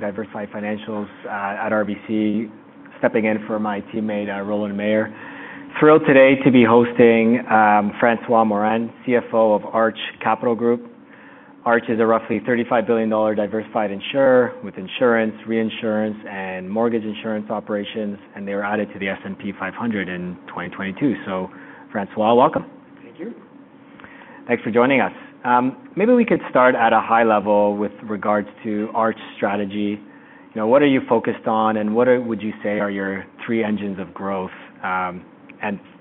Diversified Financials at RBC, stepping in for my teammate, Roland Meyer. Thrilled today to be hosting François Morin, CFO of Arch Capital Group. Arch is a roughly $35 billion diversified insurer with insurance, reinsurance, and mortgage insurance operations, and they were added to the S&P 500 in 2022. François, welcome. Thank you. Thanks for joining us. Maybe we could start at a high level with regards to Arch strategy. You know, what are you focused on, and what would you say are your three engines of growth?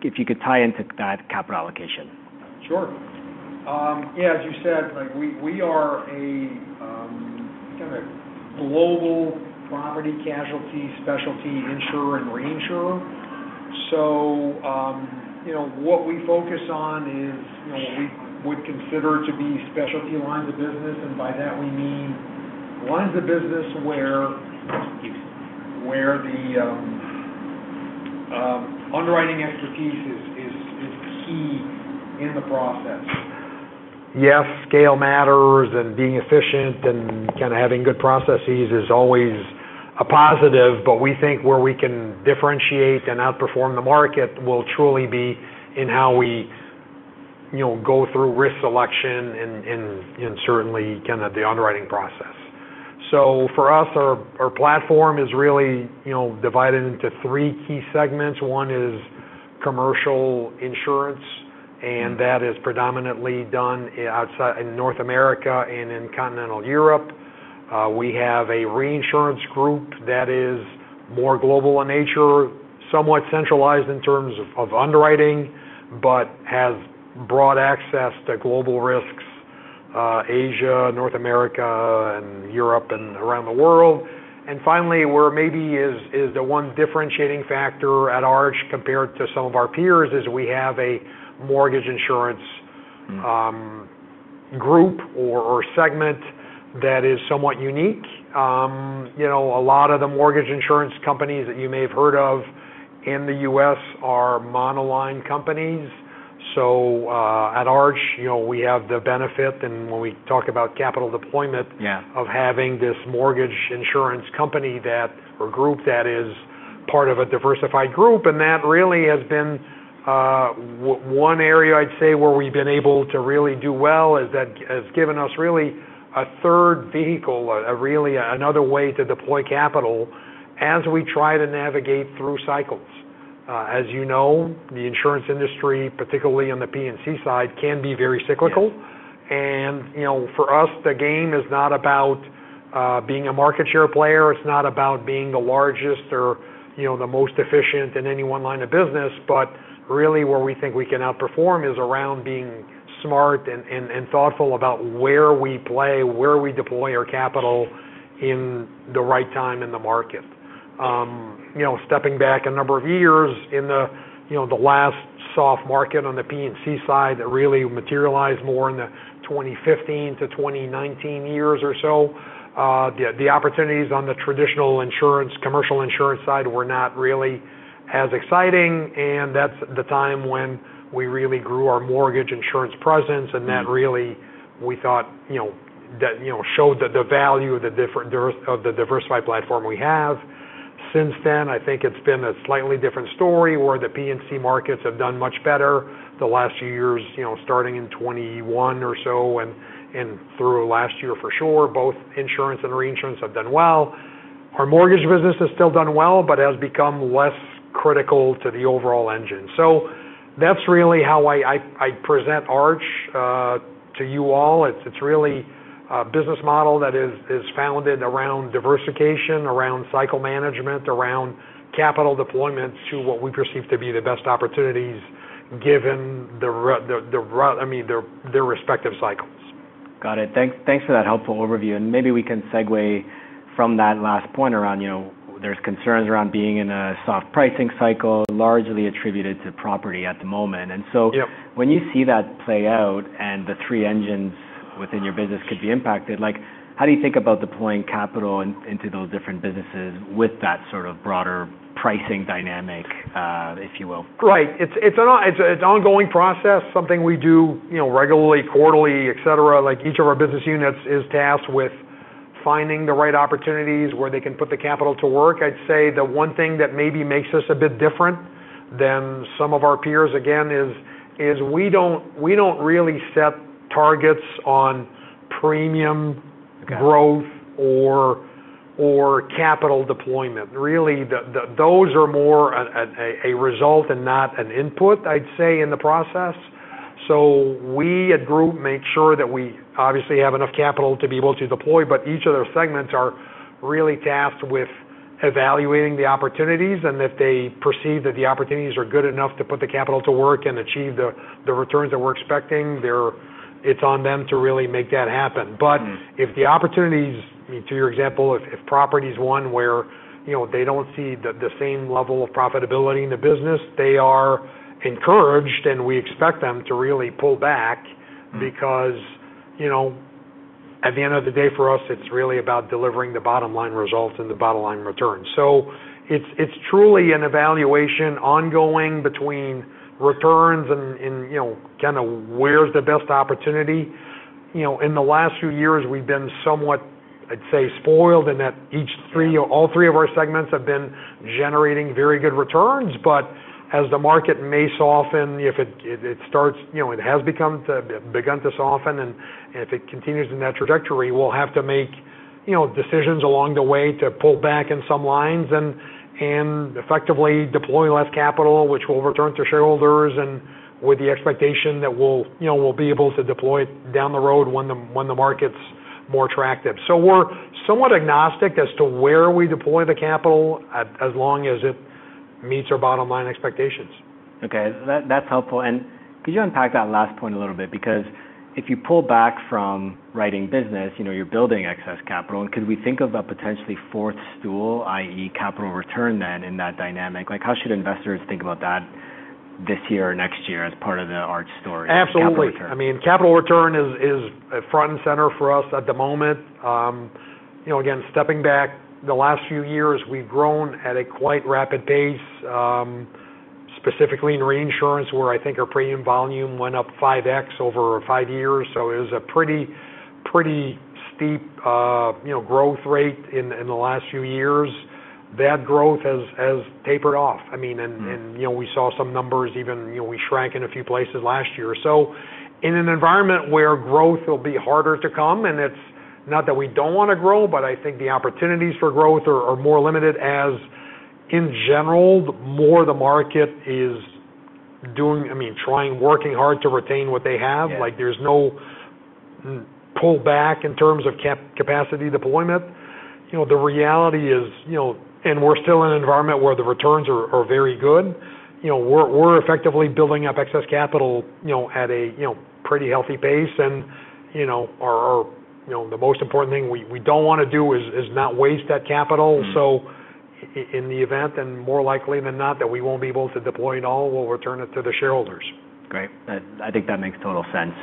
If you could tie into that capital allocation. Sure. Yeah, as you said, like we are a kinda global property casualty specialty insurer and reinsurer. What we focus on is, you know, we would consider to be specialty lines of business, and by that we mean lines of business where the underwriting expertise is key in the process. Yes, scale matters and being efficient and kinda having good processes is always a positive, but we think where we can differentiate and outperform the market will truly be in how we, you know, go through risk selection and certainly kinda the underwriting process. For us, our platform is really, you know, divided into three key segments. One is commercial insurance, and that is predominantly done outside of North America and in continental Europe. We have a reinsurance group that is more global in nature, somewhat centralized in terms of underwriting, but has broad access to global risks, Asia, North America and Europe and around the world. Finally, where maybe is the one differentiating factor at Arch compared to some of our peers is we have a mortgage insurance group or segment that is somewhat unique. You know, a lot of the mortgage insurance companies that you may have heard of in the U.S. are monoline companies. At Arch, you know, we have the benefit, and when we talk about capital deployment. Yeah Of having this mortgage insurance company that, or group that is part of a diversified group. That really has been one area I'd say where we've been able to really do well, is that has given us really a third vehicle, a really another way to deploy capital as we try to navigate through cycles. As you know, the insurance industry, particularly on the P&C side, can be very cyclical. Yeah. You know, for us, the game is not about being a market share player. It's not about being the largest or, you know, the most efficient in any one line of business. Really where we think we can outperform is around being smart and thoughtful about where we play, where we deploy our capital in the right time in the market. You know, stepping back a number of years in the, you know, the last soft market on the P&C side that really materialized more in the 2015-2019 years or so, the opportunities on the traditional insurance, commercial insurance side were not really as exciting, and that's the time when we really grew our mortgage insurance presence. Mm. That really, we thought, you know, that, you know, showed the value of the diversified platform we have. Since then, I think it's been a slightly different story where the P&C markets have done much better the last few years, you know, starting in 2021 or so and through last year for sure, both insurance and reinsurance have done well. Our mortgage business has still done well, but has become less critical to the overall engine. That's really how I present Arch to you all. It's really a business model that is founded around diversification, around cycle management, around capital deployment to what we perceive to be the best opportunities given the, I mean, their respective cycles. Got it. Thanks for that helpful overview. Maybe we can segue from that last point around, you know, there's concerns around being in a soft pricing cycle, largely attributed to property at the moment. Yep When you see that play out and the three engines within your business could be impacted, like how do you think about deploying capital into those different businesses with that sort of broader pricing dynamic, if you will? Right. It's an ongoing process, something we do, you know, regularly, quarterly, et cetera. Like each of our business units is tasked with finding the right opportunities where they can put the capital to work. I'd say the one thing that maybe makes us a bit different than some of our peers, again, is we don't really set targets on premium- Okay Growth or capital deployment. Really, those are more a result and not an input, I'd say, in the process. We at Group make sure that we obviously have enough capital to be able to deploy, but each of their segments are really tasked with evaluating the opportunities, and if they perceive that the opportunities are good enough to put the capital to work and achieve the returns that we're expecting, it's on them to really make that happen. Mm. If the opportunities to your example, if property is one where, you know, they don't see the same level of profitability in the business, they are encouraged, and we expect them to really pull back. Mm. Because, you know, at the end of the day, for us, it's really about delivering the bottom line results and the bottom line returns. It's truly an evaluation ongoing between returns and, you know, kinda where's the best opportunity. You know, in the last few years we've been somewhat, I'd say, spoiled in that all three of our segments have been generating very good returns. As the market may soften, if it starts, you know, it has begun to soften, and if it continues in that trajectory, we'll have to make, you know, decisions along the way to pull back in some lines and effectively deploy less capital, which will return to shareholders, and with the expectation that we'll, you know, we'll be able to deploy it down the road when the market's more attractive. We're somewhat agnostic as to where we deploy the capital as long as it meets our bottom line expectations. Okay. That's helpful. Could you unpack that last point a little bit? Because if you pull back from writing business, you know, you're building excess capital, and could we think of a potentially fourth stool, i.e., capital return then in that dynamic? Like, how should investors think about that this year or next year as part of the Arch story? Absolutely Capital return? I mean, capital return is front and center for us at the moment. You know, again, stepping back the last few years, we've grown at a quite rapid pace, specifically in reinsurance, where I think our premium volume went up 5x over five years. It was a pretty steep growth rate in the last few years. That growth has tapered off. I mean. Mm-hmm You know, we saw some numbers even, you know, we shrank in a few places last year. In an environment where growth will be harder to come, and it's not that we don't wanna grow, but I think the opportunities for growth are more limited, as in general, the more the market is doing, I mean, trying, working hard to retain what they have. Yeah. Like, there's no pull back in terms of capacity deployment. You know, the reality is, you know. We're still in an environment where the returns are very good. You know, we're effectively building up excess capital, you know, at a pretty healthy pace and, you know, our you know, the most important thing we don't wanna do is not waste that capital. Mm-hmm. In the event and more likely than not, that we won't be able to deploy it all, we'll return it to the shareholders. Great. I think that makes total sense.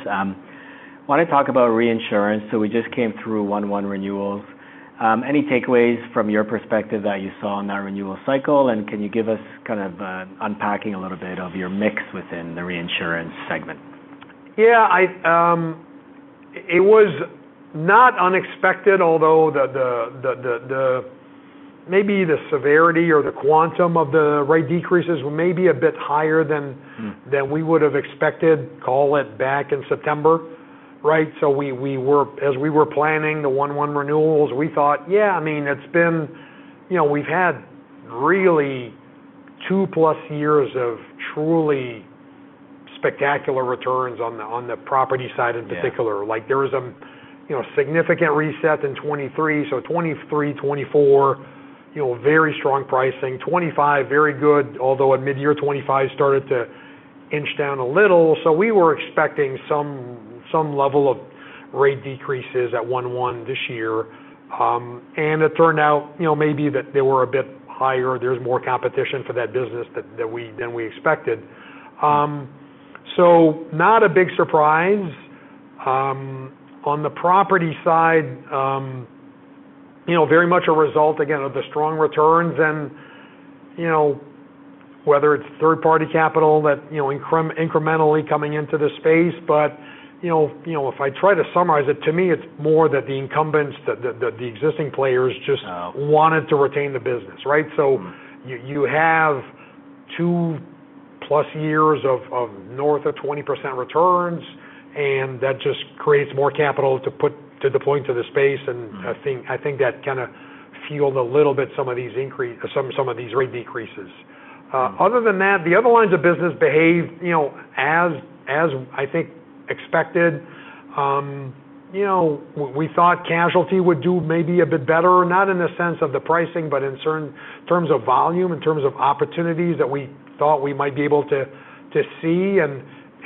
Wanna talk about reinsurance. We just came through 1/1 renewals. Any takeaways from your perspective that you saw in that renewal cycle? Can you give us kind of unpacking a little bit of your mix within the reinsurance segment? Yeah. It was not unexpected, although maybe the severity or the quantum of the rate decreases were maybe a bit higher than. Mm Than we would've expected, call it, back in September, right? We were—as we were planning the 1/1 renewals, we thought, yeah, I mean, it's been. You know, we've had really two+ years of truly spectacular returns on the property side in particular. Yeah. Like, there was a you know significant reset in 2023, so 2023, 2024, you know, very strong pricing. 2025, very good, although at midyear, 2025 started to inch down a little. We were expecting some level of rate decreases at 1/1 this year. It turned out, you know, maybe that they were a bit higher. There's more competition for that business than we expected. So not a big surprise. On the property side, you know, very much a result again of the strong returns and, you know, whether it's third-party capital that, you know, incrementally coming into the space. You know, if I try to summarize it, to me, it's more that the incumbents, the existing players just- Uh Wanted to retain the business, right? Mm. You have two+ years of north of 20% returns, and that just creates more capital to deploy into the space. Mm. I think that kinda fueled a little bit some of these rate decreases. Mm. Other than that, the other lines of business behaved, you know, as I think expected. You know, we thought casualty would do maybe a bit better, not in the sense of the pricing, but in certain terms of volume, in terms of opportunities that we thought we might be able to see.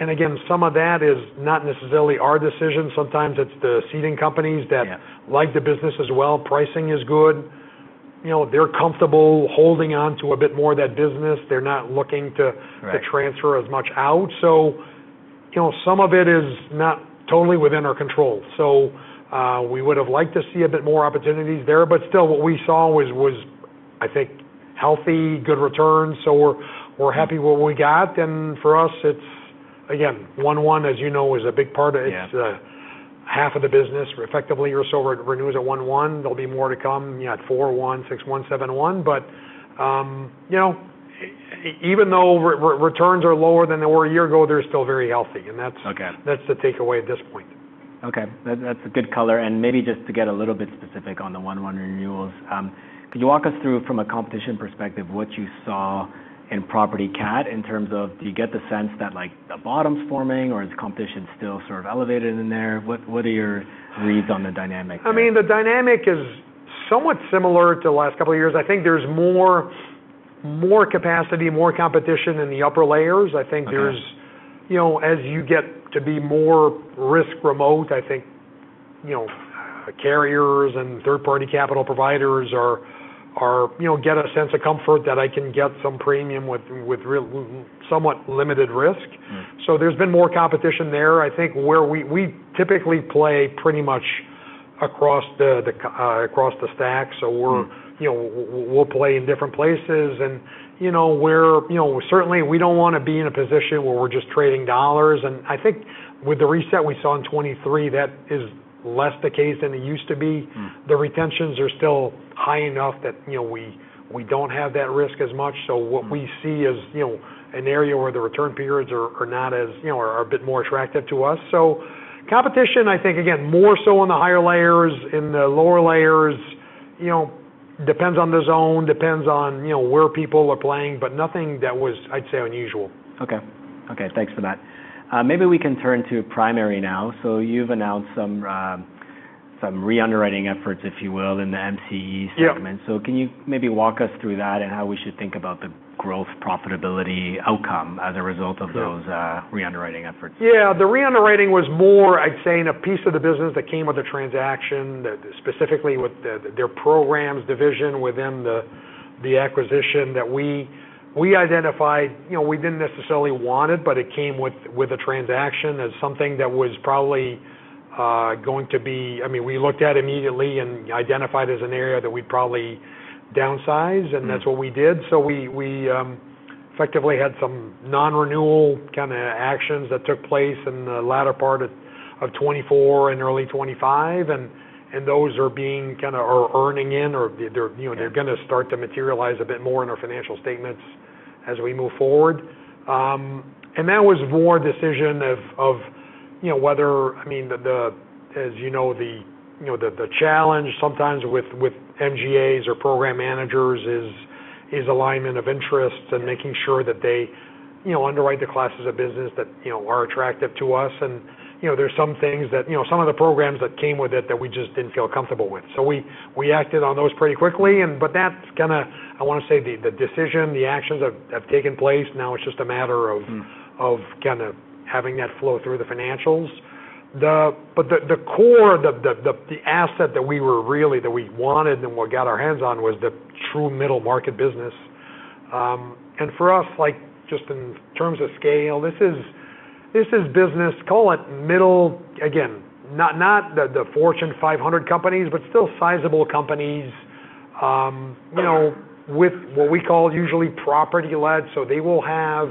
Again, some of that is not necessarily our decision. Sometimes it's the ceding companies that- Yeah Like the business as well. Pricing is good. You know, they're comfortable holding on to a bit more of that business. They're not looking to. Right To transfer as much out. You know, some of it is not totally within our control. We would have liked to see a bit more opportunities there, but still what we saw was I think healthy, good returns. We're happy what we got. For us, it's again, 1/1, as you know, is a big part of. Yeah It's half of the business effectively or so renews at 1/1. There'll be more to come, you know, at 4/1, 6/1, 7/1. You know, even though returns are lower than they were a year ago, they're still very healthy. That's Okay That's the takeaway at this point. Okay. That's a good color. Maybe just to get a little bit specific on the 1/1 renewals, could you walk us through from a competition perspective, what you saw in property cat in terms of, do you get the sense that like the bottom's forming or is competition still sort of elevated in there? What are your reads on the dynamic there? I mean, the dynamic is somewhat similar to the last couple of years. I think there's more capacity, more competition in the upper layers. Okay. I think there's. You know, as you get to be more risk remote, I think, you know, carriers and third-party capital providers are, you know, get a sense of comfort that I can get some premium with real somewhat limited risk. Mm. There's been more competition there. I think where we typically play pretty much across the stack. We're- Mm-hmm You know, we'll play in different places and, you know, we're, you know, certainly we don't wanna be in a position where we're just trading dollars. I think with the reset we saw in 2023, that is less the case than it used to be. Mm-hmm. The retentions are still high enough that, you know, we don't have that risk as much. What we see is, you know, an area where the return periods are a bit more attractive to us. Competition, I think, again, more so in the higher layers, in the lower layers, you know, depends on the zone, you know, where people are playing, but nothing that was, I'd say, unusual. Okay, thanks for that. Maybe we can turn to primary now. You've announced some re-underwriting efforts, if you will, in the MC&E segment. Yeah. Can you maybe walk us through that and how we should think about the growth profitability outcome as a result of those? Sure Re-underwriting efforts? Yeah. The re-underwriting was more, I'd say, in a piece of the business that came with the transaction, specifically with their programs division within the acquisition that we identified. You know, we didn't necessarily want it, but it came with the transaction as something that was probably going to be I mean, we looked at immediately and identified as an area that we'd probably downsize, and that's what we did. We effectively had some non-renewal kinda actions that took place in the latter part of 2024 and early 2025, and those are being kinda are earning in or they're you know. Yeah They're gonna start to materialize a bit more in our financial statements as we move forward. That was more a decision of, you know, whether I mean, the as you know, the challenge sometimes with MGAs or program managers is alignment of interests and making sure that they, you know, underwrite the classes of business that, you know, are attractive to us. You know, there's some things that, you know, some of the programs that came with it that we just didn't feel comfortable with. We acted on those pretty quickly, but that's kinda, I wanna say, the decision, the actions have taken place. Now it's just a matter of Mm-hmm Of kinda having that flow through the financials. The core asset that we wanted and what we got our hands on was the true middle market business. For us, like, just in terms of scale, this is business, call it middle. Again, not the Fortune 500 companies, but still sizable companies, you know, with what we call usually property-led. So they will have,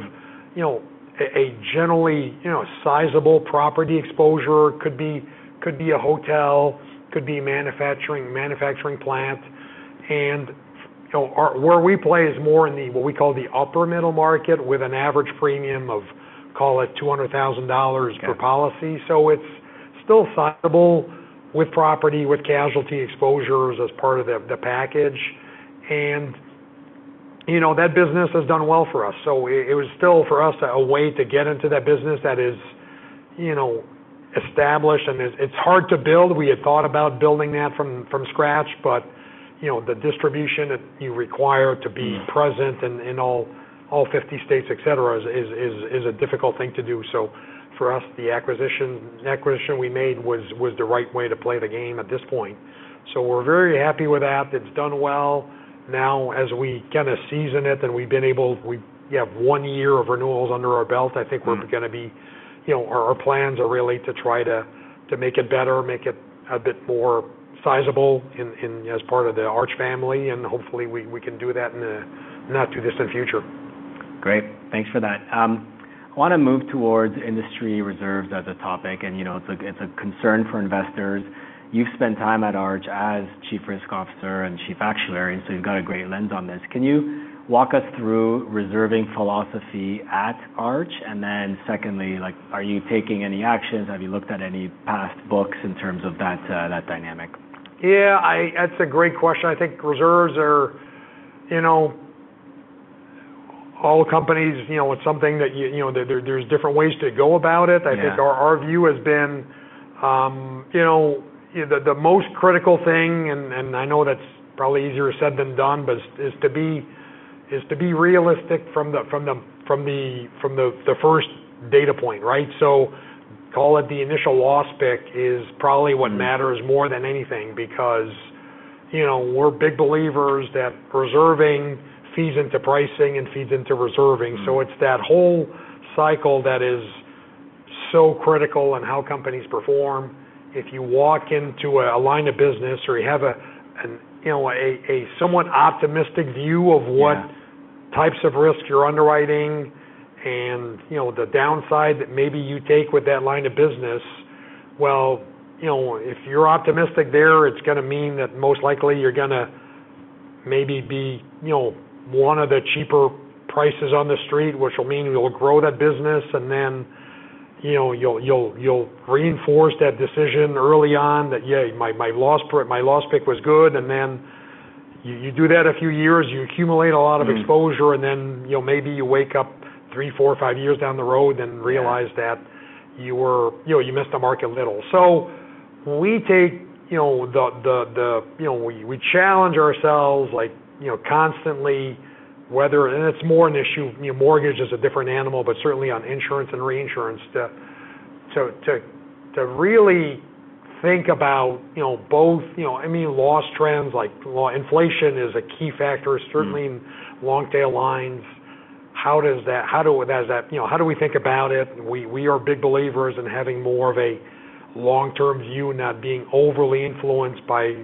you know, a generally, you know, sizable property exposure, could be a hotel, could be manufacturing plant. You know, where we play is more in what we call the upper middle market with an average premium of, call it, $200,000 per policy. Okay. It's still sizable with property, with casualty exposures as part of the package. You know, that business has done well for us. It was still for us a way to get into that business that is, you know, established and it's hard to build. We had thought about building that from scratch, but, you know, the distribution that you require to be present- Mm-hmm In all 50 states, et cetera, is a difficult thing to do. For us, the acquisition we made was the right way to play the game at this point. We're very happy with that. It's done well. Now as we kinda season it, and we have one year of renewals under our belt, I think we're Mm-hmm You know, our plans are really to try to make it better, make it a bit more sizable in as part of the Arch family, and hopefully we can do that in the not too distant future. Great. Thanks for that. I wanna move towards industry reserves as a topic and, you know, it's a concern for investors. You've spent time at Arch as chief risk officer and chief actuary, so you've got a great lens on this. Can you walk us through reserving philosophy at Arch? Then secondly, like, are you taking any actions? Have you looked at any past books in terms of that dynamic? Yeah, that's a great question. I think reserves are, you know, all companies, you know, it's something that you know, there's different ways to go about it. Yeah. I think our view has been, you know, the most critical thing, and I know that's probably easier said than done, but is to be realistic from the first data point, right? Call it the initial loss pick is probably what matters more than anything because, you know, we're big believers that reserving feeds into pricing and feeds into reserving. Mm-hmm. It's that whole cycle that is so critical in how companies perform. If you walk into a line of business or you have, you know, a somewhat optimistic view of what- Yeah Types of risk you're underwriting and, you know, the downside that maybe you take with that line of business. Well, you know, if you're optimistic there, it's gonna mean that most likely you're gonna maybe be, you know, one of the cheaper prices on the street, which will mean you'll grow that business and then, you know, you'll reinforce that decision early on that, yeah, my loss pick was good. Then you do that a few years, you accumulate a lot of exposure, and then, you know, maybe you wake up three, four, five years down the road and realize that. Yeah You know, you missed the market a little. We take, you know, the you know, we challenge ourselves, like, you know, constantly whether and it's more an issue, you know, mortgage is a different animal, but certainly on insurance and reinsurance to really think about, you know, both, you know, I mean, loss trends like inflation is a key factor certainly in long tail lines. How does that, you know, how do we think about it? We are big believers in having more of a long-term view, not being overly influenced by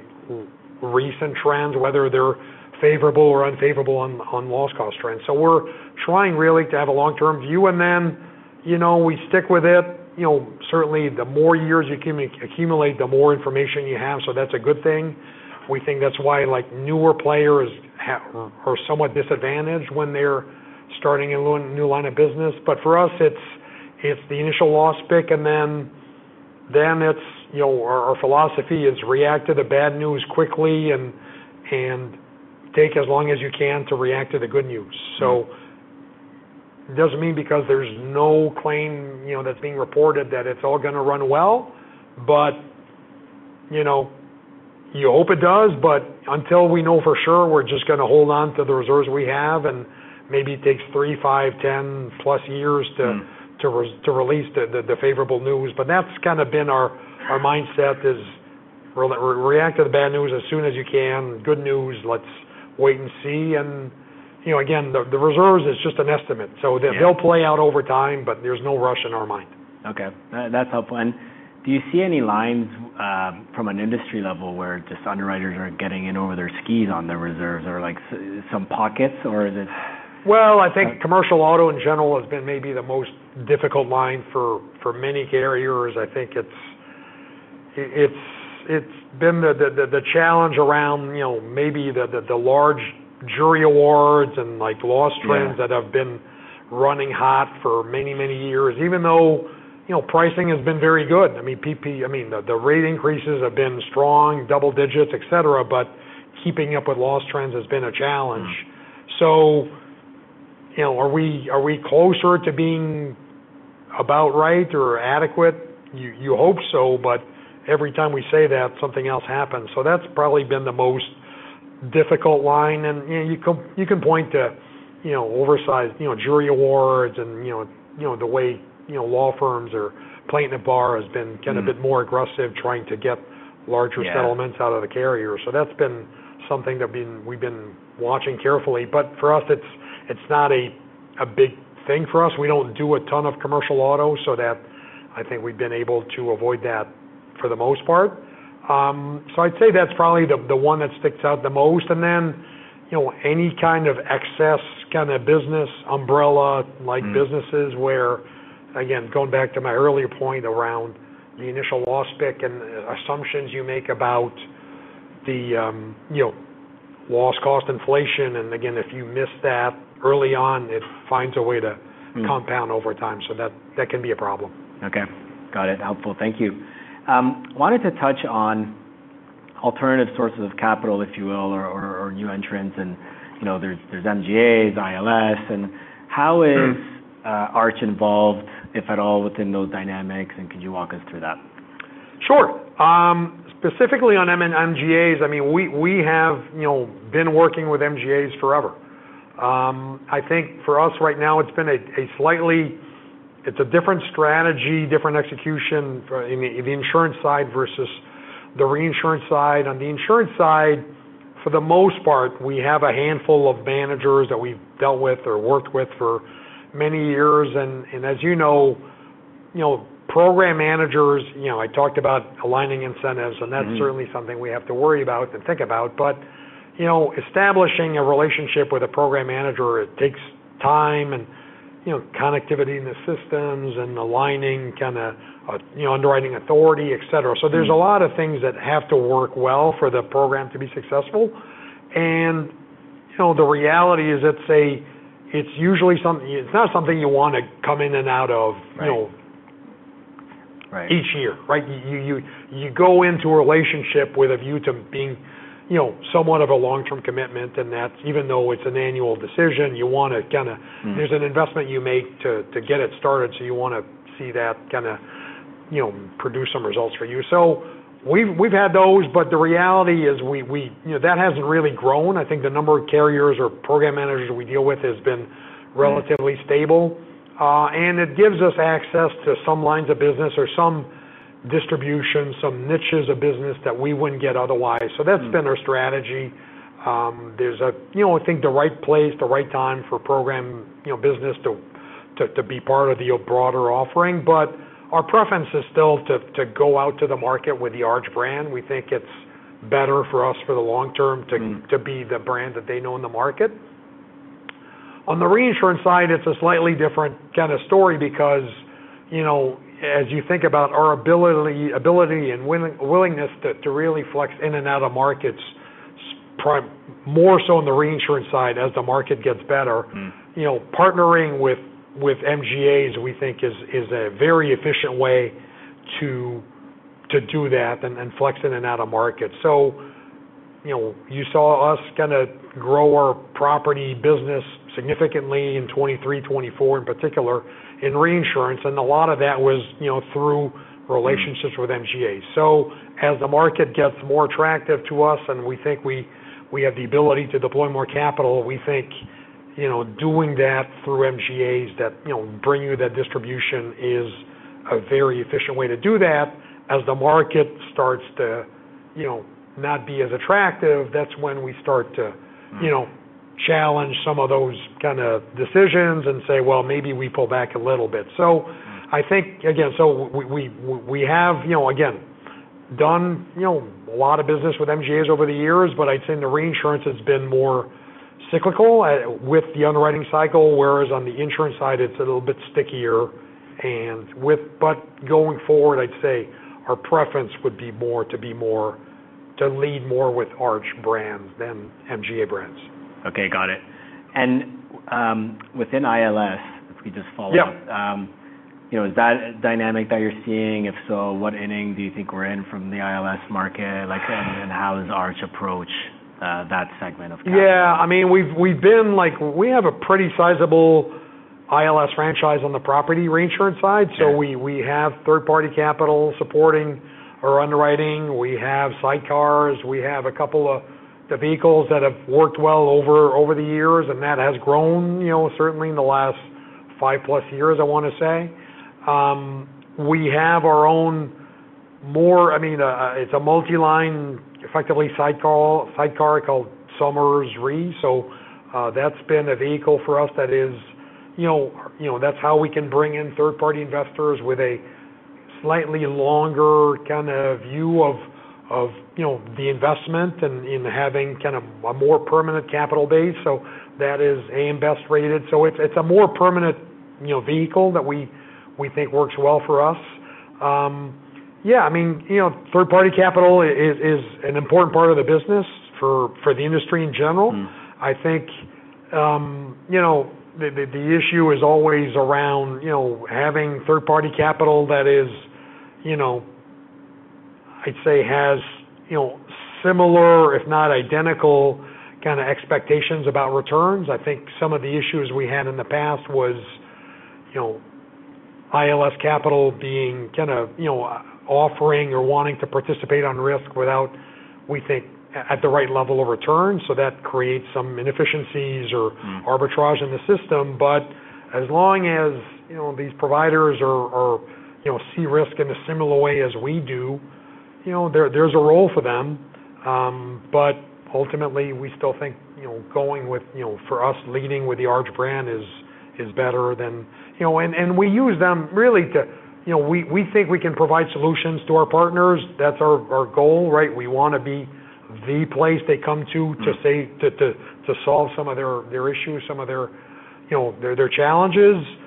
recent trends, whether they're favorable or unfavorable on loss cost trends. We're trying really to have a long-term view. Then, you know, we stick with it. You know, certainly the more years you can accumulate, the more information you have, so that's a good thing. We think that's why like newer players are somewhat disadvantaged when they're starting a new line of business. For us, it's the initial loss pick and then it's, you know, our philosophy is react to the bad news quickly and take as long as you can to react to the good news. It doesn't mean because there's no claim, you know, that's being reported that it's all gonna run well. You know, you hope it does, but until we know for sure, we're just gonna hold on to the reserves we have, and maybe it takes 3, 5, 10+ years. Mm To release the favorable news. That's kinda been our mindset is react to the bad news as soon as you can. Good news, let's wait and see. You know, again, the reserves is just an estimate. Yeah They'll play out over time, but there's no rush in our mind. Okay. That's helpful. Do you see any lines from an industry level where just underwriters are getting in over their skis on the reserves or like some pockets, or is it? Well, I think commercial auto in general has been maybe the most difficult line for many carriers. I think it's been the challenge around, you know, maybe the large jury awards and like loss trends. Yeah That have been running hot for many, many years, even though, you know, pricing has been very good. I mean, the rate increases have been strong, double digits, et cetera, but keeping up with loss trends has been a challenge. Mm. You know, are we closer to being about right or adequate? You hope so, but every time we say that, something else happens. That's probably been the most difficult line. You know, you can point to, you know, oversized, you know, jury awards and, you know, you know the way, you know, law firms or plaintiff bar has been kinda. Mm A bit more aggressive trying to get larger settlements. Yeah Out of the carrier. That's been something we've been watching carefully. For us, it's not a big thing for us. We don't do a ton of commercial auto, so I think we've been able to avoid that for the most part. I'd say that's probably the one that sticks out the most. Then, you know, any kind of excess kinda business umbrella like businesses- Mm Where, again, going back to my earlier point around the initial loss pick and assumptions you make about the, you know, loss cost inflation. Again, if you miss that early on, it finds a way to compound over time, so that can be a problem. Okay. Got it. Helpful. Thank you. Wanted to touch on alternative sources of capital, if you will, or new entrants and, you know, there's MGAs, ILS and how is. Sure Arch involved, if at all, within those dynamics, and could you walk us through that? Sure. Specifically on MGAs, I mean, we have, you know, been working with MGAs forever. I think for us right now, it's a different strategy, different execution for the insurance side versus the reinsurance side. On the insurance side, for the most part, we have a handful of managers that we've dealt with or worked with for many years. As you know, you know, program managers, you know, I talked about aligning incentives, and that's. Mm-hmm Certainly something we have to worry about and think about. You know, establishing a relationship with a program manager, it takes time and, you know, connectivity in the systems and aligning kinda, you know, underwriting authority, et cetera. Mm. There's a lot of things that have to work well for the program to be successful. You know, the reality is it's not something you wanna come in and out of, you know. Right. Each year, right? You go into a relationship with a view to being, you know, somewhat of a long-term commitment, and that's even though it's an annual decision, you wanna kinda. Mm There's an investment you make to get it started, so you wanna see that kinda, you know, produce some results for you. We've had those, but the reality is, you know, that hasn't really grown. I think the number of carriers or program managers we deal with has been relatively stable. It gives us access to some lines of business or some distribution, some niches of business that we wouldn't get otherwise. Mm. That's been our strategy. There's a, you know, I think the right place, the right time for program, you know, business to be part of the broader offering. Our preference is still to go out to the market with the Arch brand. We think it's better for us for the long term to Mm To be the brand that they know in the market. On the reinsurance side, it's a slightly different kinda story because, you know, as you think about our ability and willingness to really flex in and out of markets more so on the reinsurance side, as the market gets better. Mm. You know, partnering with MGAs, we think is a very efficient way to do that and flex in and out of markets. You know, you saw us kinda grow our property business significantly in 2023, 2024, in particular in reinsurance, and a lot of that was, you know, through relationships with MGAs. As the market gets more attractive to us and we think we have the ability to deploy more capital, we think, you know, doing that through MGAs that, you know, bring you that distribution is a very efficient way to do that as the market starts to. You know, not be as attractive, that's when we start to. Mm-hmm You know, challenge some of those kinda decisions and say, "Well, maybe we pull back a little bit." I think, again, we have, you know, again, done, you know, a lot of business with MGAs over the years, but I'd say the reinsurance has been more cyclical with the underwriting cycle, whereas on the insurance side it's a little bit stickier. Going forward, I'd say our preference would be more to be more, to lead more with Arch brands than MGA brands. Okay, got it. Within ILS, if we just follow up. Yeah. You know, is that a dynamic that you're seeing? If so, what inning do you think we're in from the ILS market? Like, and how does Arch approach that segment of Yeah. I mean, we've been like, we have a pretty sizable ILS franchise on the property reinsurance side. Yeah. We have third-party capital supporting our underwriting. We have sidecars. We have a couple of the vehicles that have worked well over the years, and that has grown, you know, certainly in the last five+ years, I want to say. I mean, it's a multi-line effectively sidecar called Somers Re. That's been a vehicle for us that is, you know, that's how we can bring in third-party investors with a slightly longer kinda view of the investment and having kind of a more permanent capital base. That is A.M. Best rated. It's a more permanent, you know, vehicle that we think works well for us. Yeah, I mean, you know, third-party capital is an important part of the business for the industry in general. Mm-hmm. I think, you know, the issue is always around, you know, having third-party capital that is, you know, I'd say has, you know, similar if not identical kinda expectations about returns. I think some of the issues we had in the past was, you know, ILS capital being kinda, you know, offering or wanting to participate on risk without, we think, at the right level of return, so that creates some inefficiencies or. Mm Arbitrage in the system. As long as, you know, these providers are, you know, see risk in a similar way as we do, you know, there's a role for them. Ultimately, we still think, you know, going with, you know, for us leading with the Arch brand is better than. You know, and we use them really to. You know, we think we can provide solutions to our partners. That's our goal, right? We wanna be the place they come to. Mm To solve some of their issues, you know, their challenges. You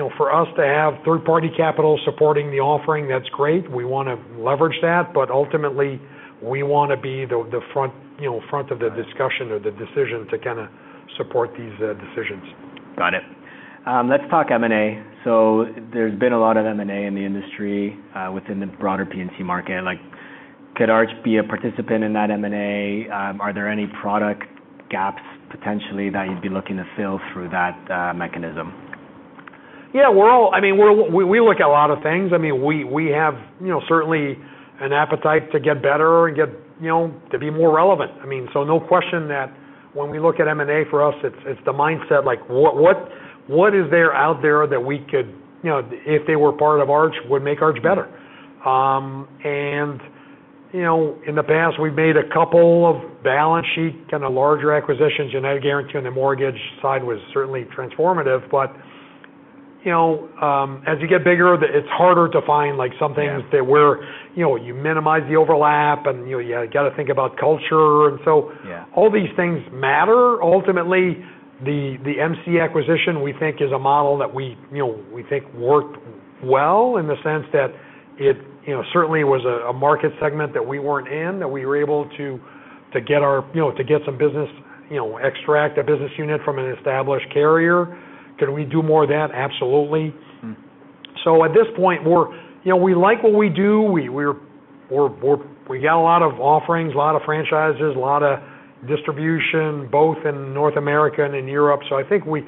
know, for us to have third-party capital supporting the offering, that's great. We wanna leverage that. But ultimately, we wanna be the front, you know, of the discussion or the decision to kinda support these decisions. Got it. Let's talk M&A. There's been a lot of M&A in the industry, within the broader P&C market. Like, could Arch be a participant in that M&A? Are there any product gaps potentially that you'd be looking to fill through that mechanism? Yeah. I mean, we look at a lot of things. I mean, we have, you know, certainly an appetite to get better and get, you know, to be more relevant. I mean, no question that when we look at M&A for us, it's the mindset like, what is there out there that we could, you know, if they were part of Arch, would make Arch better? You know, in the past, we've made a couple of balance sheet, kinda larger acquisitions. United Guaranty on the mortgage side was certainly transformative. You know, as you get bigger, it's harder to find like something. Yeah That we're, you know, you minimize the overlap and, you know, you gotta think about culture. Yeah All these things matter. Ultimately, the MCE Acquisition, we think is a model that we, you know, we think worked well in the sense that it, you know, certainly was a market segment that we weren't in, that we were able to get our, you know, to get some business, you know, extract a business unit from an established carrier. Can we do more of that? Absolutely. Mm. At this point we're. You know, we like what we do. We got a lot of offerings, a lot of franchises, a lot of distribution, both in North America and in Europe. I think we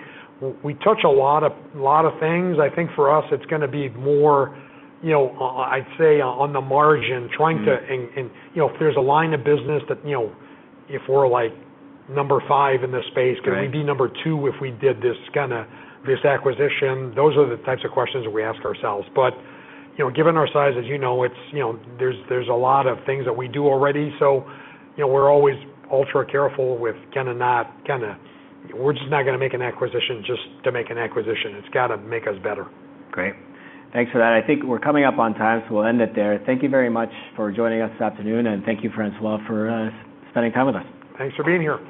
touch a lot of things. I think for us, it's gonna be more, you know, I'd say on the margin trying to. Mm You know, if there's a line of business that, you know, if we're like number five in this space. Right Can we be number two if we did this kinda, this acquisition? Those are the types of questions that we ask ourselves. You know, given our size, as you know, it's, you know, there's a lot of things that we do already. You know, we're always ultra careful. We're just not gonna make an acquisition just to make an acquisition. It's gotta make us better. Great. Thanks for that. I think we're coming up on time, so we'll end it there. Thank you very much for joining us this afternoon, and thank you, François, for spending time with us. Thanks for being here.